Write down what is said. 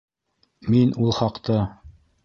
Мин ул хаҡта...